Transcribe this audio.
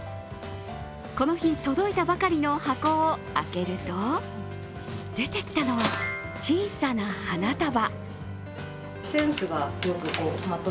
この日届いたばかりの箱を開けると、出てきたのは、小さな花束。